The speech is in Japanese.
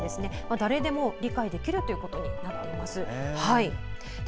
誰でも理解できるということになっています。